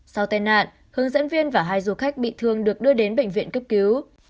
sau tai nạn hướng dẫn viên và hai du khách bị thương được đưa đến bệnh viện cấp cứu